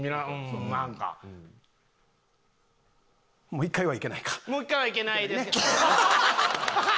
もう１回はいけないですね。